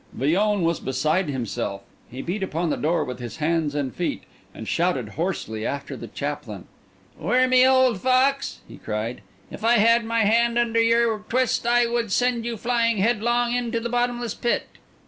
Villon was beside himself; he beat upon the door with his hands and feet, and shouted hoarsely after the chaplain. "Wormy old fox!" he cried. "If I had my hand under your twist, I would send you flying headlong into the bottomless pit."